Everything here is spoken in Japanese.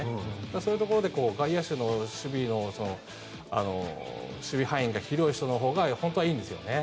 そういうところで外野手の守備範囲が広い人のほうが本当はいいんですよね。